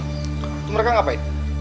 itu mereka ngapain